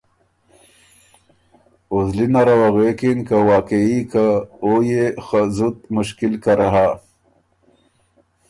او زلی نره وه غوېکِن که واقعي که او يې خه زُت مشکل کر هۀ۔